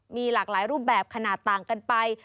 มีหลากหลายรูปแบบขนาดต่างกันไป